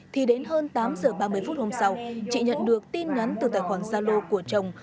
thì đến hơn tám h ba mươi phút hôm sau chị nhận được tin ngắn từ tài khoản xa lô của chồng